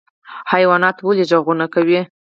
حیوانات ولې غږونه کوي؟